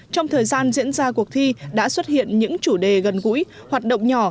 trong thời gian diễn ra cuộc thi đã xuất hiện những chủ đề gần gũi hoạt động nhỏ